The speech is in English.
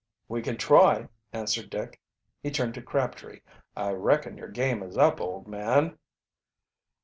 "We can try," answered Dick. He turned to Crabtree. "I reckon your game is up, old man."